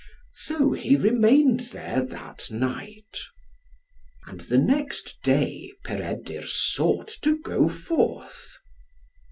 So he remained there that night. And the next day Peredur sought to go forth.